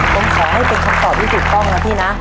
ผมขอให้เป็นคำตอบที่ถูกต้องนะพี่นะ